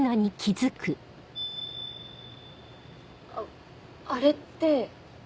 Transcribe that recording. あっあれって。